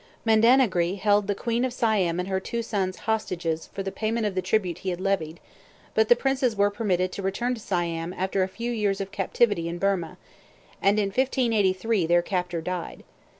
Mandanahgri held the queen of Siam and her two sons as hostages for the payment of the tribute he had levied; but the princes were permitted to return to Siam after a few years of captivity in Birmah, and in 1583 their captor died.